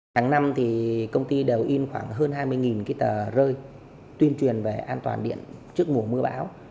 tháng năm thì công ty đều in khoảng hơn hai mươi cái tờ rơi tuyên truyền về an toàn điện trước mùa mưa bão